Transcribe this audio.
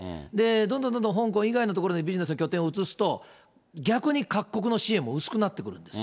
どんどんどんどん香港以外の所に、ビジネスの拠点を移すと、逆に各国の支援も薄くなってくるんです。